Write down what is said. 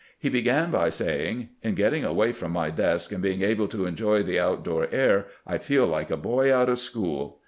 He began by saying :" In getting away from my desk, and being able to enjoy the outdoor air, I feel like a boy out of school.